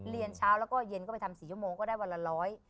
เช้าแล้วก็เย็นก็ไปทำ๔ชั่วโมงก็ได้วันละร้อย